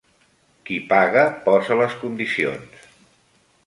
Qui paga posa les condicions.